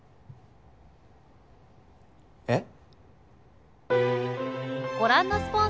えっ？